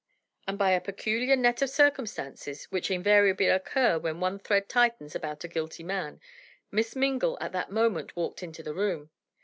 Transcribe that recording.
And by a peculiar net of circumstances, which invariably occur when one thread tightens about a guilty man, Miss Mingle at that moment walked into the room!